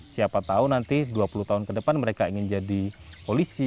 siapa tahu nanti dua puluh tahun ke depan mereka ingin jadi polisi